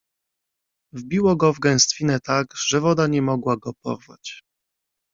Wbiło go w gęstwinę tak, że woda nie mogła go porwać.